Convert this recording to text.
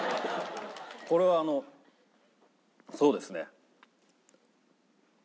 これはあのそうですね。